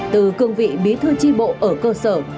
từ cương vị bí thư tri bộ ở cơ sở